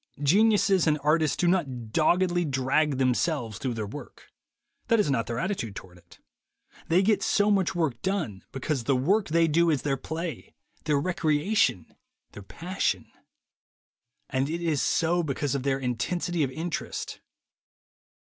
Geniuses and artists do not doggedly drag themselves through their work. That is not their attitude toward it. They get so much work done because the work they do is their play, their recreation, their passion. And it is so because of their intensity of interest.